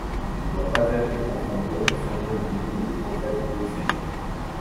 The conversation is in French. Il ne doit pas être confondu avec son homonyme, le prophète Osée.